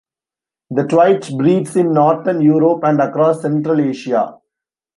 The twite breeds in northern Europe and across central Asia.